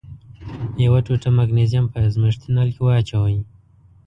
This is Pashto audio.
یوه ټوټه مګنیزیم په ازمیښتي نل کې واچوئ.